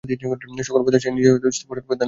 সকল অবস্থায় সে নিজে ইহা স্পষ্টরূপে না-ও বুঝিতে পারে।